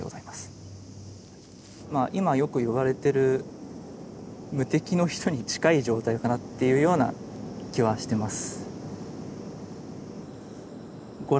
今よくいわれてる無敵の人に近い状態かなというような気はしてます。